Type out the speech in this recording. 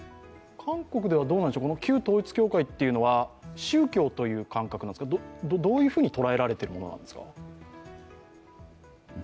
韓国では旧統一教会というのは、宗教という感覚なんですか、どういうふうに捉えられているものなんですか？